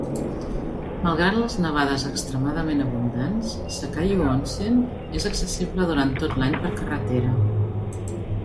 Malgrat les nevades extremadament abundants, Sukayu Onsen és accessible durant tot l'any per carretera.